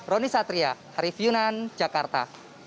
roni satria harif yunan jakarta